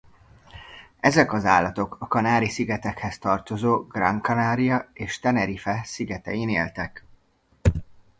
Ezek az állatok a Kanári-szigetekhez tartozó Gran Canaria és Tenerife szigetein éltek.